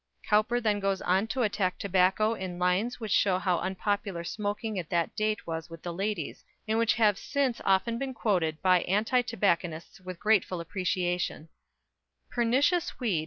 _ Cowper then goes on to attack tobacco in lines which show how unpopular smoking at that date was with ladies, and which have since often been quoted by anti tobacconists with grateful appreciation: _Pernicious weed!